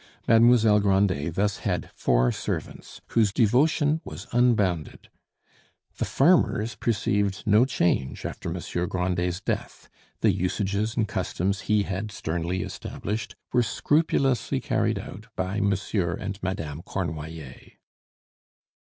Mademoiselle Grandet thus had four servants, whose devotion was unbounded. The farmers perceived no change after Monsieur Grandet's death; the usages and customs he had sternly established were scrupulously carried out by Monsieur and Madame Cornoiller.